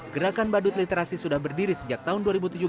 gerakan badut literasi sudah berdiri sejak tahun dua ribu tujuh belas